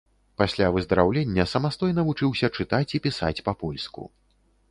Пасля выздараўлення самастойна вучыўся чытаць і пісаць па-польску.